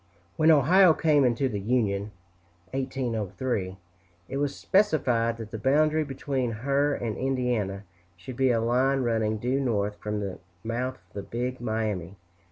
When Ohio came into the Union (1803), it was specified that the boundary between her and Indiana should be a line running due north from the mouth of the Big Miami.